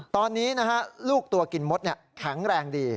ตอนนี้ลูกตัวกินมดแข็งแรงดี